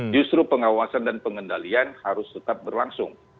justru pengawasan dan pengendalian harus tetap berlangsung